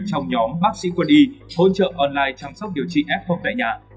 trong nhóm bác sĩ quân y hỗ trợ online chăm sóc điều trị f tại nhà